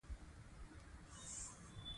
ازادي راډیو د عدالت حالت ته رسېدلي پام کړی.